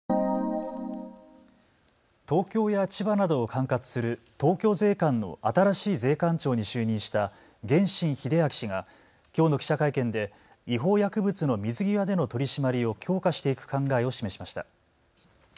東京や千葉などを管轄する東京税関の新しい税関長に就任した源新英明氏がきょうの記者会見で違法薬物の水際での取締りを強化していく考えを示しました。